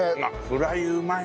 フライうまい。